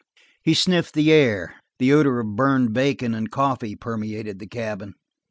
He sniffed the air; odor of burned bacon and coffee permeated the cabin.